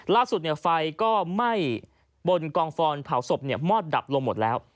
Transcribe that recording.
ไฟก็ไหม้บนกองฟอนเผาศพมอดดับลงหมดแล้ว